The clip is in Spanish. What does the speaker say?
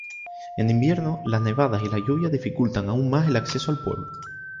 En invierno, las nevadas y la lluvia dificultan aún más el acceso al pueblo.